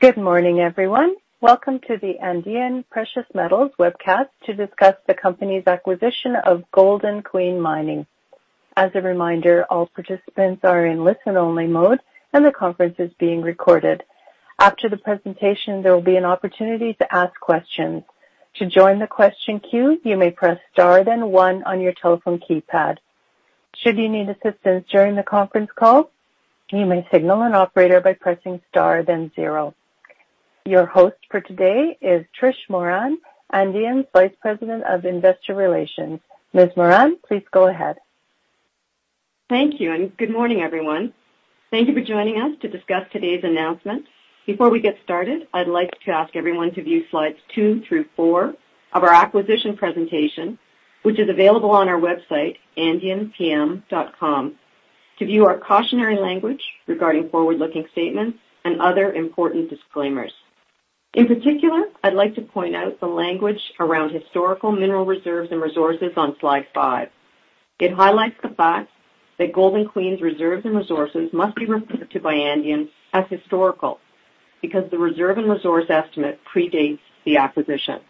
Good morning, everyone. Welcome to the Andean Precious Metals webcast to discuss the company's acquisition of Golden Queen Mining. As a reminder, all participants are in listen-only mode, and the conference is being recorded. After the presentation, there will be an opportunity to ask questions. To join the question queue, you may press star, then one on your telephone keypad. Should you need assistance during the conference call, you may signal an operator by pressing star, then zero. Your host for today is Trish Moran, Andean's Vice President of Investor Relations. Ms. Moran, please go ahead. Thank you, and good morning, everyone. Thank you for joining us to discuss today's announcement. Before we get started, I'd like to ask everyone to view slides two through four of our acquisition presentation, which is available on our website, andeanpm.com, to view our cautionary language regarding forward-looking statements and other important disclaimers. In particular, I'd like to point out the language around historical mineral reserves and resources on slide 5. It highlights the fact that Golden Queen's reserves and resources must be reported to by Andean as historical, because the reserve and resource estimate predates the acquisition.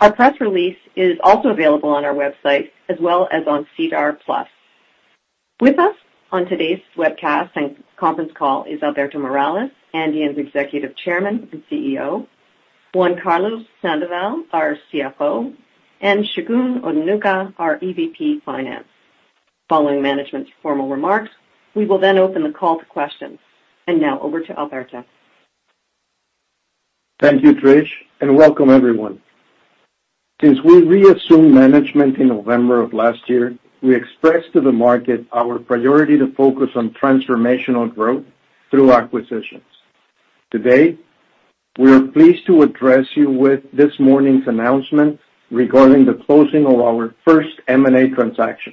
Our press release is also available on our website, as well as on SEDAR+. With us on today's webcast and conference call is Alberto Morales, Andean's Executive Chairman and CEO, Juan Carlos Sandoval, our CFO, and Segun Odunuga, our EVP, Finance. Following management's formal remarks, we will then open the call to questions. And now, over to Alberto. Thank you, Trish, and welcome everyone. Since we reassumed management in November of last year, we expressed to the market our priority to focus on transformational growth through acquisitions. Today, we are pleased to address you with this morning's announcement regarding the closing of our first M&A transaction,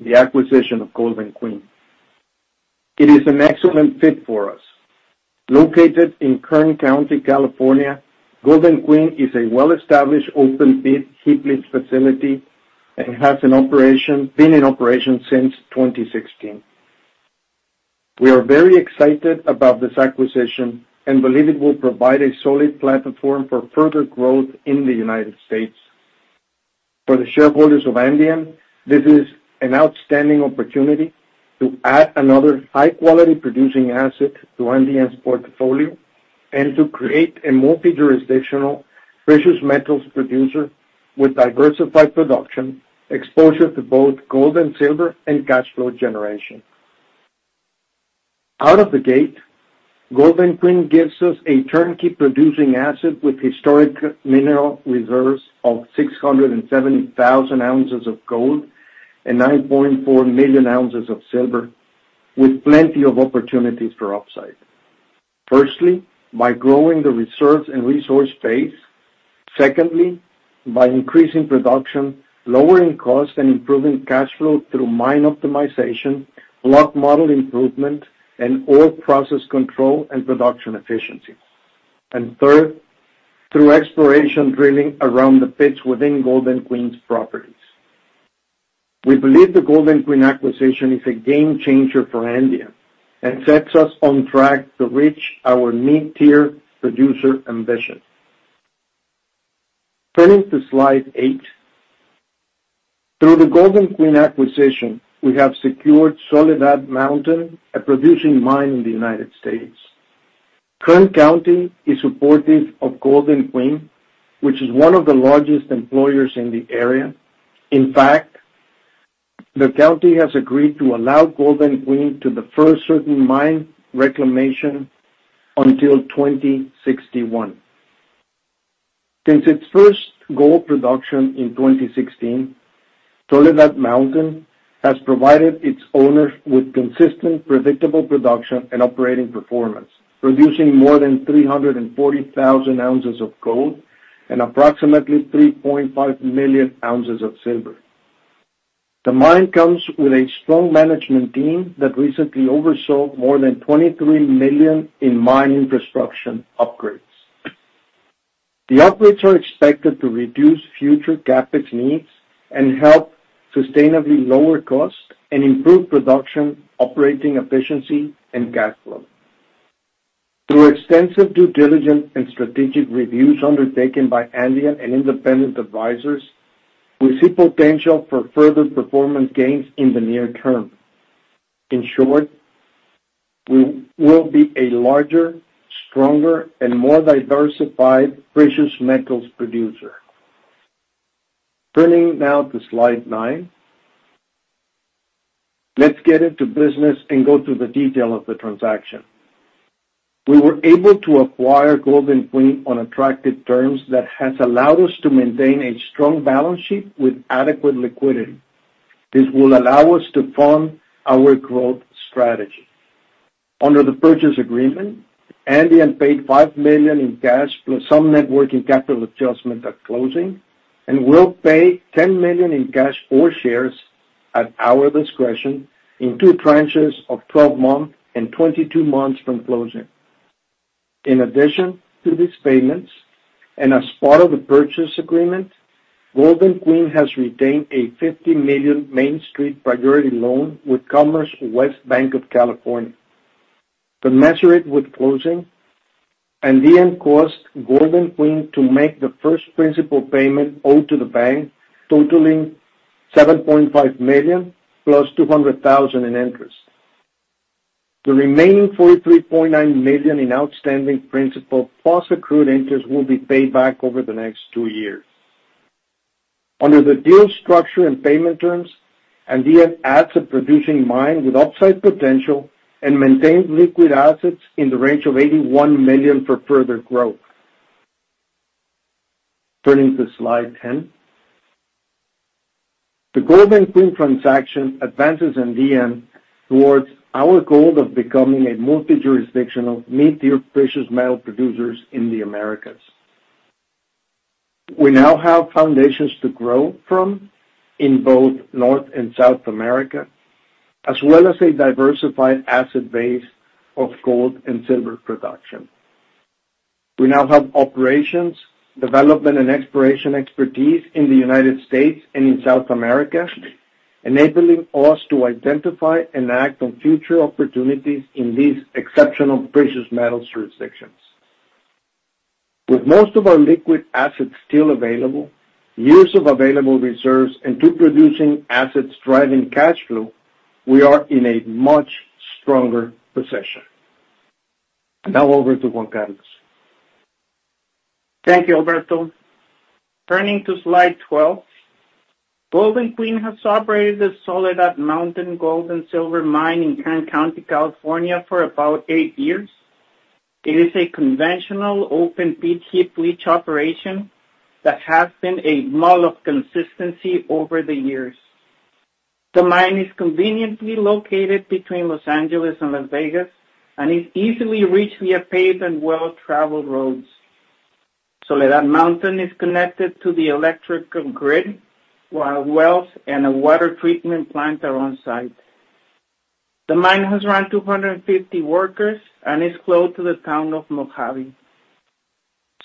the acquisition of Golden Queen. It is an excellent fit for us. Located in Kern County, California, Golden Queen is a well-established open-pit heap leach facility and has been in operation since 2016. We are very excited about this acquisition and believe it will provide a solid platform for further growth in the United States. For the shareholders of Andean, this is an outstanding opportunity to add another high-quality producing asset to Andean's portfolio and to create a multi-jurisdictional precious metals producer with diversified production, exposure to both gold and silver, and cash flow generation. Out of the gate, Golden Queen gives us a turnkey producing asset with historic mineral reserves of 670,000 ounces of gold and 9.4 million ounces of silver, with plenty of opportunities for upside. Firstly, by growing the reserves and resource base. Secondly, by increasing production, lowering costs, and improving cash flow through mine optimization, block model improvement, and ore process control and production efficiency. And third, through exploration drilling around the pits within Golden Queen's properties. We believe the Golden Queen acquisition is a game changer for Andean and sets us on track to reach our mid-tier producer ambition. Turning to Slide eight. Through the Golden Queen acquisition, we have secured Soledad Mountain, a producing mine in the United States. Kern County is supportive of Golden Queen, which is one of the largest employers in the area. In fact, the county has agreed to allow Golden Queen to defer certain mine reclamation until 2061. Since its first gold production in 2016, Soledad Mountain has provided its owners with consistent, predictable production and operating performance, producing more than 340,000 ounces of gold and approximately 3.5 million ounces of silver. The mine comes with a strong management team that recently oversaw more than $23 million in mine infrastructure upgrades. The upgrades are expected to reduce future CapEx needs and help sustainably lower costs and improve production, operating efficiency, and cash flow. Through extensive due diligence and strategic reviews undertaken by Andean and independent advisors, we see potential for further performance gains in the near term. In short, we will be a larger, stronger, and more diversified precious metals producer. Turning now to slide nine. Let's get into business and go through the detail of the transaction. We were able to acquire Golden Queen on attractive terms that has allowed us to maintain a strong balance sheet with adequate liquidity. This will allow us to fund our growth strategy. Under the purchase agreement, Andean paid $5 million in cash plus some net working capital adjustment at closing, and will pay $10 million in cash or shares at our discretion in two tranches of 12 months and 22 months from closing. In addition to these payments, and as part of the purchase agreement. Golden Queen has retained a $50 million Main Street Priority Loan with CommerceWest Bank of California. Andean caused Golden Queen to make the first principal payment owed to the bank, totaling $7.5 million, plus $200,000 in interest. The remaining $43.9 million in outstanding principal, plus accrued interest, will be paid back over the next two years. Under the deal structure and payment terms, Andean adds a producing mine with upside potential and maintains liquid assets in the range of $81 million for further growth. Turning to slide 10. The Golden Queen transaction advances Andean towards our goal of becoming a multi-jurisdictional mid-tier precious metal producers in the Americas. We now have foundations to grow from in both North and South America, as well as a diversified asset base of gold and silver production. We now have operations, development, and exploration expertise in the United States and in South America, enabling us to identify and act on future opportunities in these exceptional precious metal jurisdictions. With most of our liquid assets still available, years of available reserves, and two producing assets driving cash flow, we are in a much stronger position. Now over to Juan Carlos. Thank you, Alberto. Turning to slide 12. Golden Queen has operated the Soledad Mountain Gold and Silver Mine in Kern County, California, for about eight years. It is a conventional open pit heap leach operation that has been a model of consistency over the years. The mine is conveniently located between Los Angeles and Las Vegas, and is easily reached via paved and well-traveled roads. Soledad Mountain is connected to the electrical grid, while wells and a water treatment plant are on-site. The mine has around 250 workers and is close to the town of Mojave.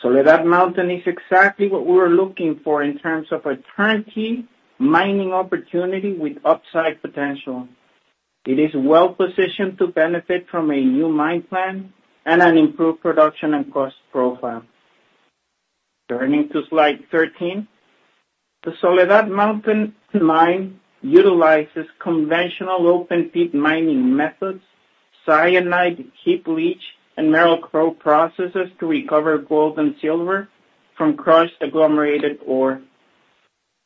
Soledad Mountain is exactly what we were looking for in terms of a turnkey mining opportunity with upside potential. It is well positioned to benefit from a new mine plan and an improved production and cost profile. Turning to slide 13. The Soledad Mountain mine utilizes conventional open pit mining methods, cyanide heap leach, and Merrill-Crowe processes to recover gold and silver from crushed agglomerated ore.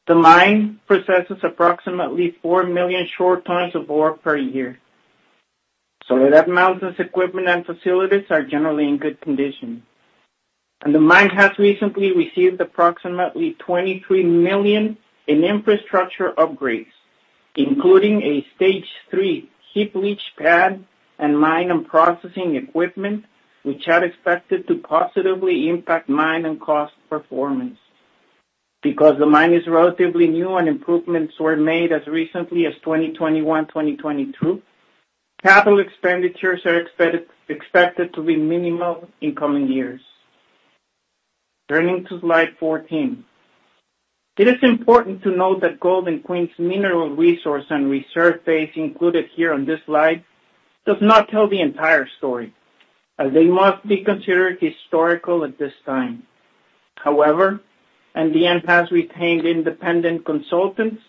The mine processes approximately 4 million short tons of ore per year. Soledad Mountain's equipment and facilities are generally in good condition. The mine has recently received approximately $23 million in infrastructure upgrades, including a stage 3 heap leach pad and mine and processing equipment, which are expected to positively impact mine and cost performance. Because the mine is relatively new and improvements were made as recently as 2021, 2022, capital expenditures are expected to be minimal in coming years. Turning to slide 14. It is important to note that Golden Queen's mineral resource and reserve base included here on this slide does not tell the entire story, as they must be considered historical at this time. However, Andean has retained independent consultants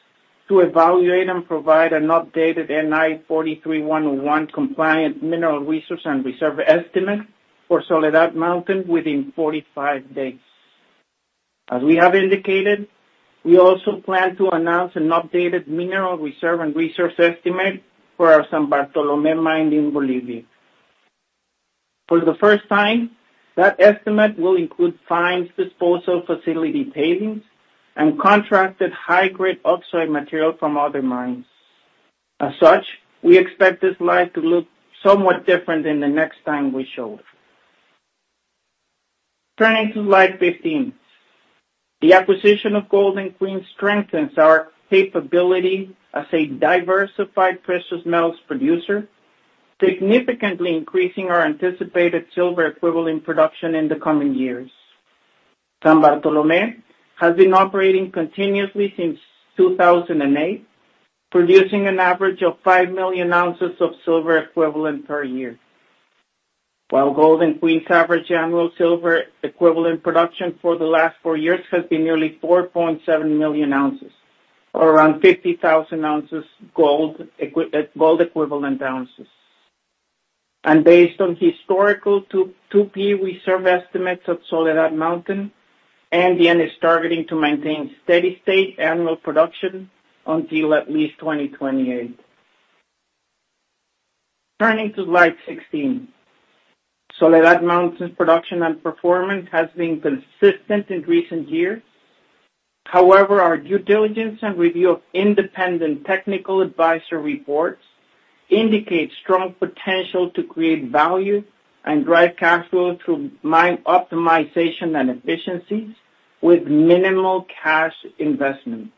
to evaluate and provide an updated NI 43-101 compliant mineral resource and reserve estimate for Soledad Mountain within 45 days. As we have indicated, we also plan to announce an updated mineral reserve and resource estimate for our San Bartolomé mine in Bolivia. For the first time, that estimate will include fines, disposal facility pavings, and contracted high-grade oxide material from other mines. As such, we expect this slide to look somewhat different than the next time we show it. Turning to slide 15. The acquisition of Golden Queen strengthens our capability as a diversified precious metals producer, significantly increasing our anticipated silver equivalent production in the coming years. San Bartolomé has been operating continuously since 2008, producing an average of 5 million ounces of silver equivalent per year. While Golden Queen's average annual silver equivalent production for the last four years has been nearly 4.7 million ounces, or around 50,000 ounces gold equivalent ounces. Based on historical 2P reserve estimates of Soledad Mountain, Andean is targeting to maintain steady state annual production until at least 2028. Turning to slide 16. Soledad Mountain's production and performance has been consistent in recent years. However, our due diligence and review of independent technical advisory reports indicate strong potential to create value and drive cash flow through mine optimization and efficiencies with minimal cash investment.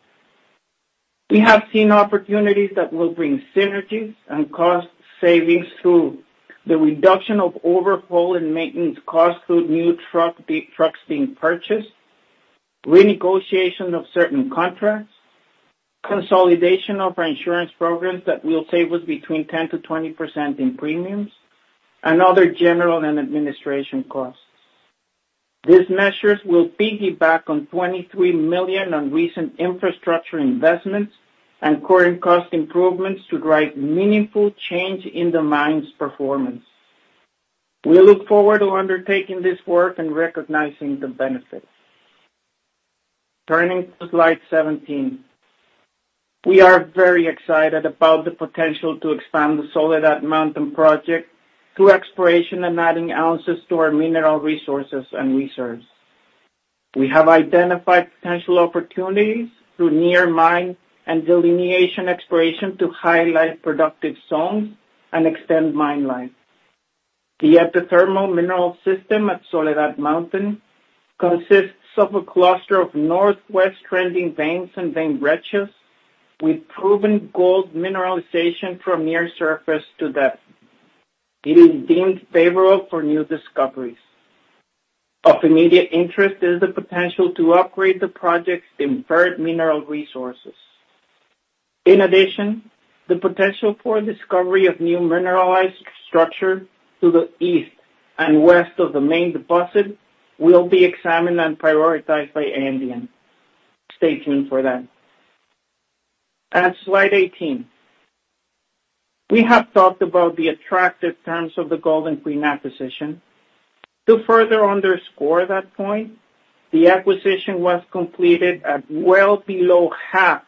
We have seen opportunities that will bring synergies and cost savings through the reduction of overhaul and maintenance costs through new truck, big trucks being purchased, renegotiation of certain contracts, consolidation of our insurance programs that will save us between 10%-20% in premiums, and other general and administration costs. These measures will piggyback on $23 million on recent infrastructure investments and current cost improvements to drive meaningful change in the mine's performance. We look forward to undertaking this work and recognizing the benefits. Turning to slide 17. We are very excited about the potential to expand the Soledad Mountain project through exploration and adding ounces to our mineral resources and reserves. We have identified potential opportunities through near mine and delineation exploration to highlight productive zones and extend mine life. The epithermal mineral system at Soledad Mountain consists of a cluster of northwest-trending veins and vein breccias, with proven gold mineralization from near surface to depth. It is deemed favorable for new discoveries. Of immediate interest is the potential to upgrade the project's inferred mineral resources. In addition, the potential for discovery of new mineralized structure to the east and west of the main deposit will be examined and prioritized by Andean. Stay tuned for that. Slide 18. We have talked about the attractive terms of the Golden Queen acquisition. To further underscore that point, the acquisition was completed at well below half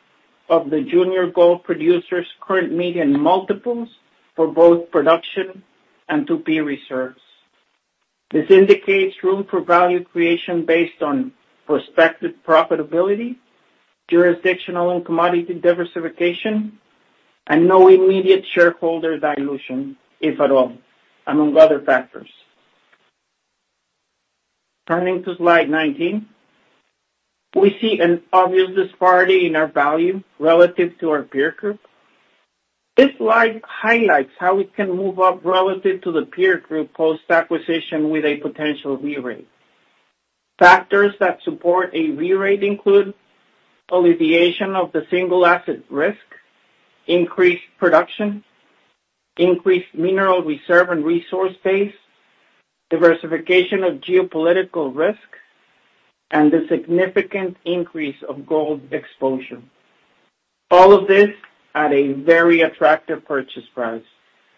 of the junior gold producer's current median multiples for both production and 2P reserves. This indicates room for value creation based on prospective profitability, jurisdictional and commodity diversification, and no immediate shareholder dilution, if at all, among other factors. Turning to slide 19, we see an obvious disparity in our value relative to our peer group. This slide highlights how we can move up relative to the peer group post-acquisition with a potential re-rate. Factors that support a re-rate include alleviation of the single asset risk, increased production, increased mineral reserve and resource base, diversification of geopolitical risk, and a significant increase of gold exposure. All of this at a very attractive purchase price,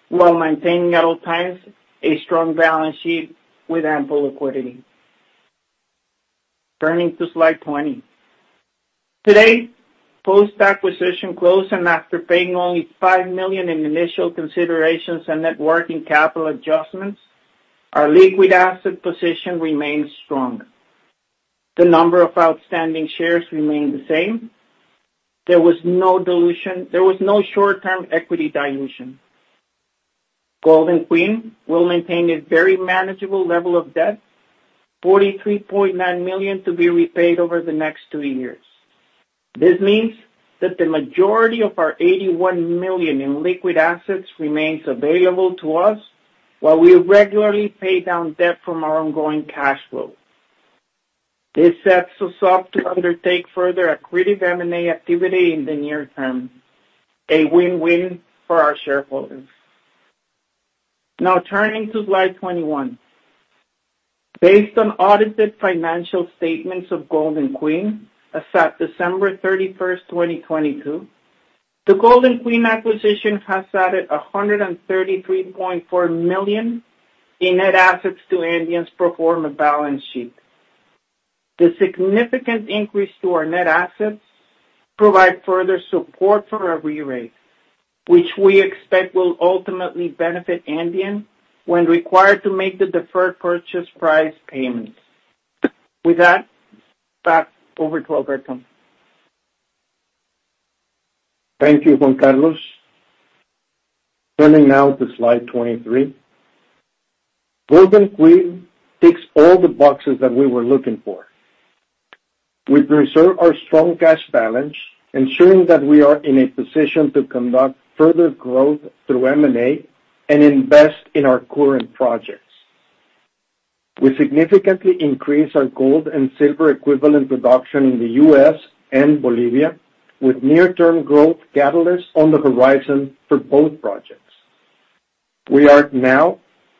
while maintaining at all times a strong balance sheet with ample liquidity. Turning to slide 20. Today, post-acquisition close and after paying only $5 million in initial considerations and net working capital adjustments, our liquid asset position remains strong. The number of outstanding shares remain the same. There was no dilution. There was no short-term equity dilution. Golden Queen will maintain a very manageable level of debt, $43.9 million to be repaid over the next two years. This means that the majority of our $81 million in liquid assets remains available to us, while we regularly pay down debt from our ongoing cash flow. This sets us up to undertake further accretive M&A activity in the near term, a win-win for our shareholders. Now turning to slide 21. Based on audited financial statements of Golden Queen, as at December 31, 2022, the Golden Queen acquisition has added $133.4 million in net assets to Andean's pro forma balance sheet. The significant increase to our net assets provide further support for a re-rate, which we expect will ultimately benefit Andean when required to make the deferred purchase price payments. With that, back over to Alberto. Thank you, Juan Carlos. Turning now to slide 23. Golden Queen ticks all the boxes that we were looking for. We preserve our strong cash balance, ensuring that we are in a position to conduct further growth through M&A and invest in our current projects. We significantly increase our gold and silver equivalent production in the U.S. and Bolivia, with near-term growth catalysts on the horizon for both projects. We are now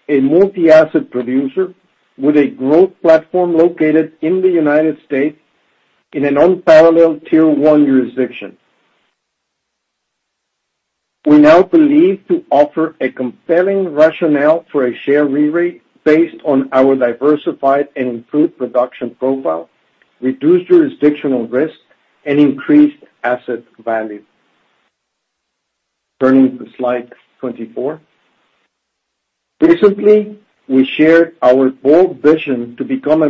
a multi-asset producer with a growth platform located in the United States in an unparalleled Tier 1 jurisdiction. We now believe to offer a compelling rationale for a share re-rate based on our diversified and improved production profile, reduced jurisdictional risk, and increased asset value. Turning to slide 24. Recently, we shared our bold vision to become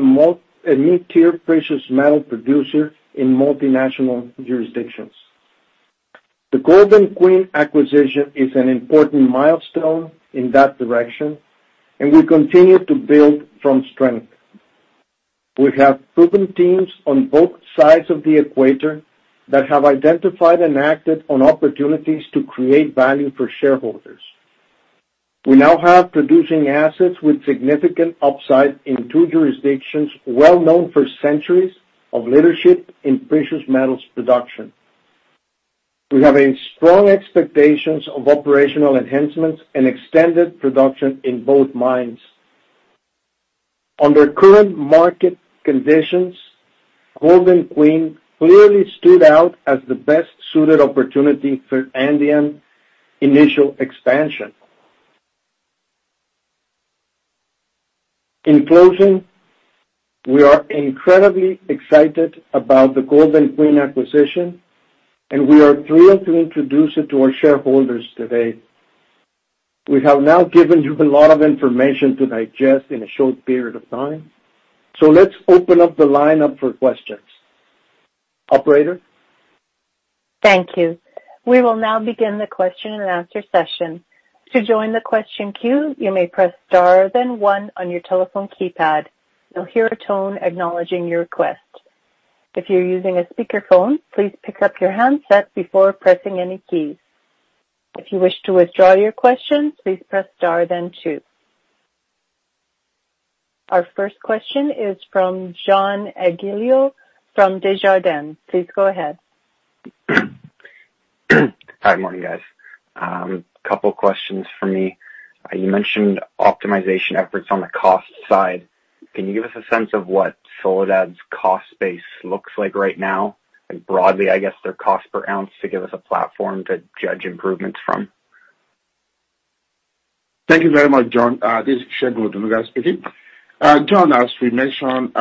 a new tier precious metal producer in multinational jurisdictions. The Golden Queen acquisition is an important milestone in that direction, and we continue to build from strength... We have proven teams on both sides of the equator that have identified and acted on opportunities to create value for shareholders. We now have producing assets with significant upside in two jurisdictions, well known for centuries of leadership in precious metals production. We have a strong expectations of operational enhancements and extended production in both mines. Under current market conditions, Golden Queen clearly stood out as the best suited opportunity for Andean initial expansion. In closing, we are incredibly excited about the Golden Queen acquisition, and we are thrilled to introduce it to our shareholders today. We have now given you a lot of information to digest in a short period of time, so let's open up the line up for questions. Operator? Thank you. We will now begin the question and answer session. To join the question queue, you may press star then one on your telephone keypad. You'll hear a tone acknowledging your request. If you're using a speakerphone, please pick up your handset before pressing any keys. If you wish to withdraw your question, please press star then two. Our first question is from John Tumazos from Desjardins. Please go ahead. Hi, good morning, guys. Couple questions for me. You mentioned optimization efforts on the cost side. Can you give us a sense of what Soledad's cost base looks like right now, and broadly, I guess, their cost per ounce to give us a platform to judge improvements from? Thank you very much, John. This is Segun Odunuga speaking. John, as we mentioned,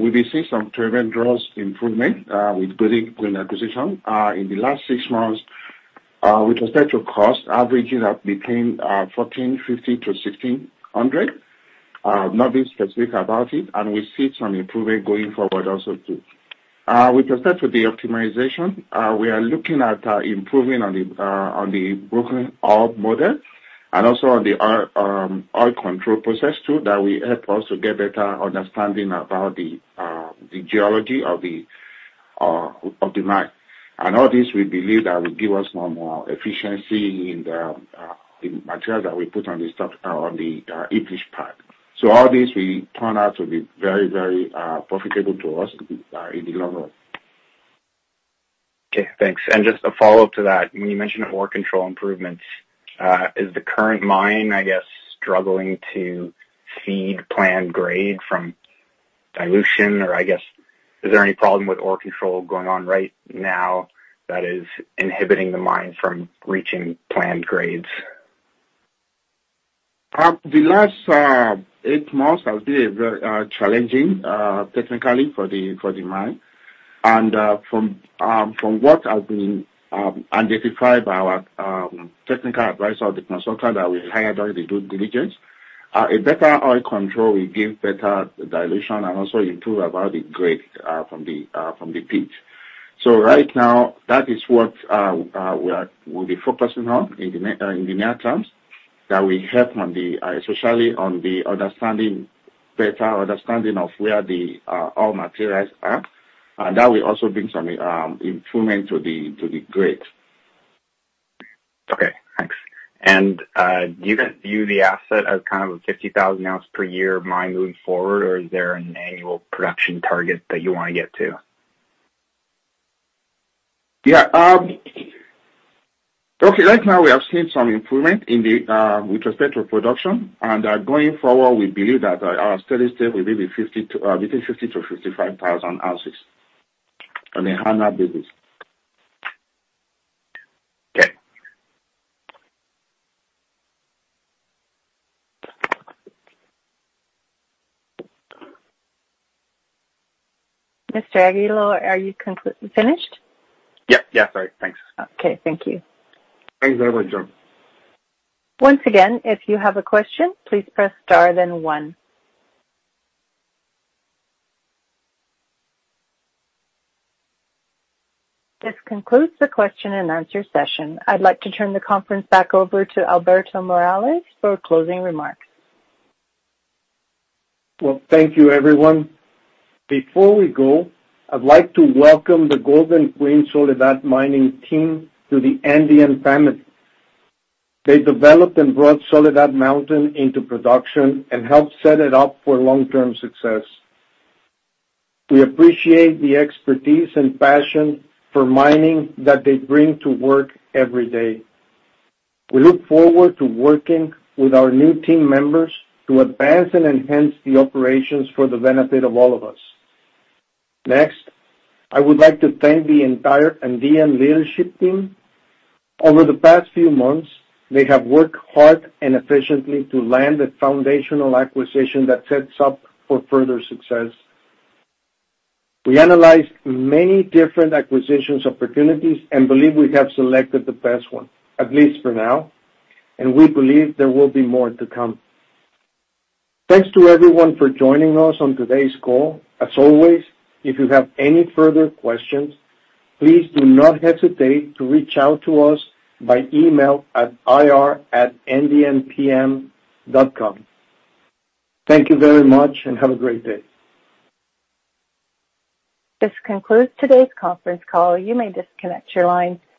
we've been seeing some tremendous improvement with Golden Queen acquisition. In the last six months, with respect to cost, averaging at between $1,450-$1,600. Not being specific about it, and we see some improvement going forward also too. With respect to the optimization, we are looking at improving on the broken ore model and also on the ore control process too, that will help us to get better understanding about the geology of the mine. All this we believe that will give us more and more efficiency in the material that we put on the stockpile on the leach pad. All this will turn out to be very, very profitable to us in the long run. Okay, thanks. And just a follow-up to that, when you mentioned ore control improvements, is the current mine, I guess, struggling to feed planned grade from dilution? Or I guess, is there any problem with ore control going on right now that is inhibiting the mine from reaching planned grades? The last eight months have been challenging technically for the mine. And from what has been identified by our technical advisor, the consultant that we hired during the due diligence, a better ore control will give better dilution and also improve about the grade from the pit. So right now, that is what we'll be focusing on in the near terms, that will help especially on the understanding, better understanding of where the ore materials are. And that will also bring some improvement to the grade. Okay, thanks. And do you guys view the asset as kind of a 50,000 ounce per year mine moving forward, or is there an annual production target that you want to get to? Yeah, okay, right now we have seen some improvement in the, with respect to production. Going forward, we believe that, our steady state will be 50 to between 50 to 55,000 ounces on an annual basis. Okay. Mr. Tumazos, are you conclu- finished? Yep. Yeah, sorry. Thanks. Okay, thank you. Thanks very much, John. Once again, if you have a question, please press star then one. This concludes the question and answer session. I'd like to turn the conference back over to Alberto Morales for closing remarks. Well, thank you, everyone. Before we go, I'd like to welcome the Golden Queen Soledad Mining team to the Andean family. They developed and brought Soledad Mountain into production and helped set it up for long-term success. We appreciate the expertise and passion for mining that they bring to work every day. We look forward to working with our new team members to advance and enhance the operations for the benefit of all of us. Next, I would like to thank the entire Andean leadership team. Over the past few months, they have worked hard and efficiently to land a foundational acquisition that sets up for further success. We analyzed many different acquisitions opportunities and believe we have selected the best one, at least for now, and we believe there will be more to come. Thanks to everyone for joining us on today's call. As always, if you have any further questions, please do not hesitate to reach out to us by email at ir@andeanpm.com. Thank you very much and have a great day. This concludes today's conference call. You may disconnect your line.